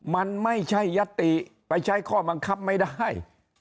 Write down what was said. มันไม่ใช่ยติไปใช้ข้อบังคับไม่ได้